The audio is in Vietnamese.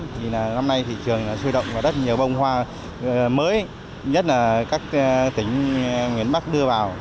thì năm nay thị trường sôi động và rất nhiều bông hoa mới nhất là các tỉnh miền bắc đưa vào